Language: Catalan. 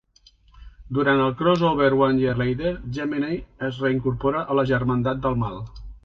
Durant el crossover One Year Later, Gemini es reincorpora a la Germandat del Mal.